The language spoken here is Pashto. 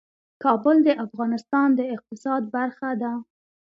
کابل د افغانستان د اقتصاد برخه ده.